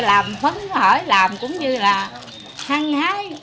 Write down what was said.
làm phấn khởi làm cũng như là hăng hái